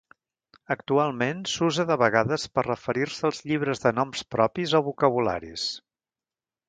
Actualment s'usa de vegades per referir-se als llibres de noms propis o vocabularis.